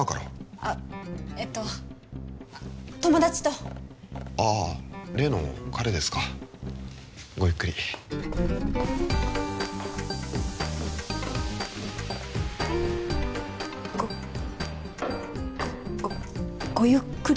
あっえと友達とああ例の彼ですかごゆっくりごごごゆっくり？